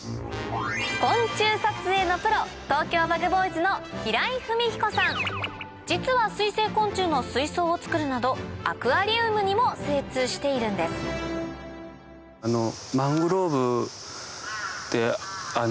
昆虫撮影のプロ実は水生昆虫の水槽を作るなどアクアリウムにも精通しているんですそれを。